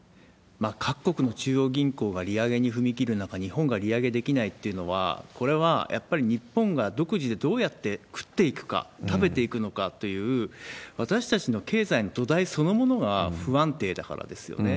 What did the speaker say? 各国の中央銀行が利上げに踏み切る中、日本が利上げできないっていうのは、これはやっぱり日本が独自でどうやって食っていくか、食べていくのかという、私たちの経済の土台そのものが不安定だからですよね。